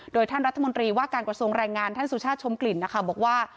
โดยท่านรัฐมนตรีว่าการกระทรวงแรงงานท่านสุชาติชมกลิ่นนะคะบอกว่า